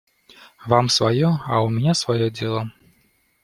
Вам свое, а у меня свое дело.